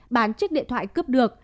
bán chiếc điện thoại cướp được